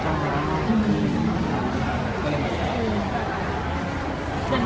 สจริงนะว่าเราไม่ได้ไปทำจริง